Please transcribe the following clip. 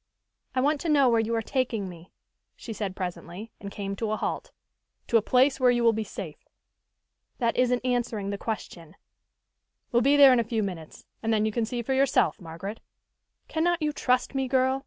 "I want to know where you are taking me," she said presently, and came to a halt. "To a place where you will be safe." "That isn't answering the question." "We'll be there in a few minutes, and then you can see for yourself, Margaret. Cannot you trust me, girl?